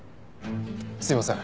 すいません。